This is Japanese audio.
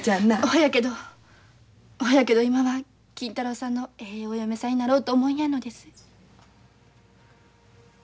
ほやけどほやけど今は金太郎さんのええお嫁さんになろうと思いやんのです。